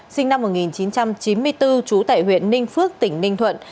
sinh năm một nghìn chín trăm chín mươi bốn trú tại huyện ninh phước tỉnh ninh thuận